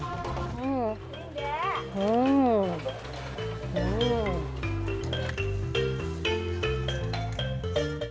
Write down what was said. telasi juga berwarna hitam